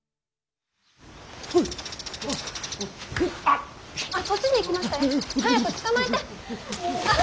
あっそっちに行きましたよ。